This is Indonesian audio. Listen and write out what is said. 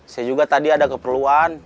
saya juga tadi ada keperluan